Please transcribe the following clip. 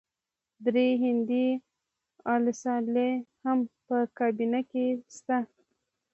درې هندي الاصله هم په کابینه کې شته.